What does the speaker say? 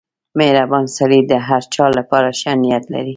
• مهربان سړی د هر چا لپاره ښه نیت لري.